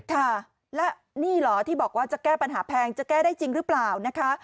ค่ะและนี่เหรอที่บอกว่าจะแก้ปัญหาแพงจะแก้ได้จริงหรือเปล่านะคะ